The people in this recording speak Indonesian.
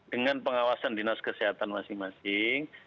dengan pengawasan dinas kesehatan masing masing